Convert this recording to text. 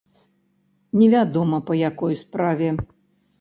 Невядома, па якой справе.